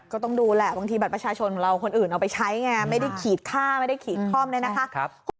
ก็ต้องดูแหละบางทีบัตรประชาชนของเราคนอื่นเอาไปใช้ไงไม่ได้ขีดค่าไม่ได้ขีดคล่อมเลยนะคะ